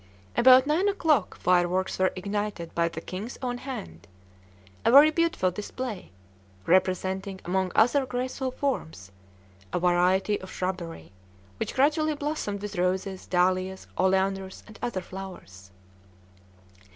About nine o'clock fireworks were ignited by the king's own hand, a very beautiful display, representing, among other graceful forms, a variety of shrubbery, which gradually blossomed with roses, dahlias, oleanders, and other flowers.